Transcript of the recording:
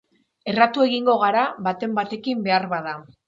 Erratu egingo gara baten batekin beharbada...